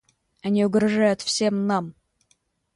Они угрожают всем нам.